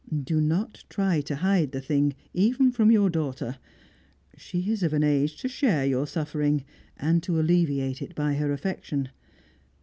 Do not try to hide the thing even from your daughter; she is of an age to share your suffering, and to alleviate it by her affection.